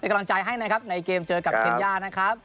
กำลังใจให้นะครับในเกมเจอกับเคนย่านะครับ